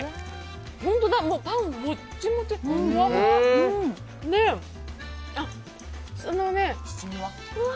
本当だ、パンもっちもち、ふわっふわ！